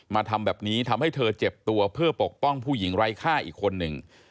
ทำแบบนี้ทำให้เธอเจ็บตัวเพื่อปกป้องผู้หญิงไร้ค่าอีกคนหนึ่ง